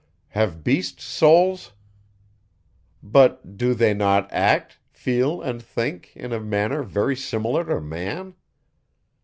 Have beasts souls? But, do they not act, feel, and think, in a manner very similar to man?